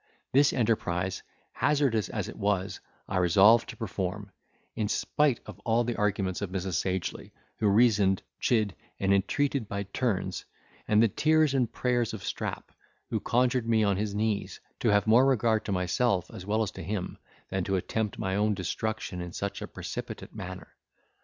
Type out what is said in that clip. This enterprise, hazardous as it was, I resolved to perform, in spite of all the arguments of Mrs. Sagely, who reasoned, chid, and entreated by turns; and the tears and prayers of Strap, who conjured me on his knees, to have more regard to myself as well as to him, than to attempt my own destruction in such a precipitate manner.